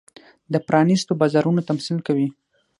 د پرانېستو بازارونو تمثیل کوي.